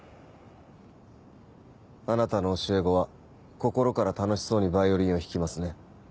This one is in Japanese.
あなたの教え子は心から楽しそうにヴァイオリンを弾きますね。